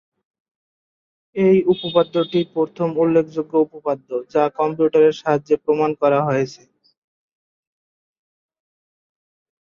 এই উপপাদ্যটি প্রথম উল্লেখযোগ্য উপপাদ্য যা কম্পিউটারের সাহায্যে প্রমাণ করা হয়েছে।